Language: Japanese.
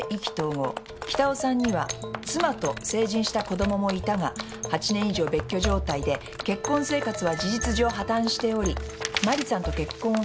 北尾さんには妻と成人した子供もいたが８年以上別居状態で結婚生活は事実上破綻しており真理さんと結婚をする約束をした」